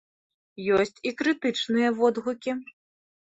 Ёсць і крытычныя водгукі.